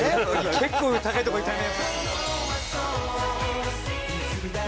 結構高いとこいったね。